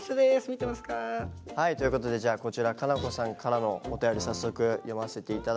見てますか？ということでこちらかなこさんからのお便り早速読ませて頂きます。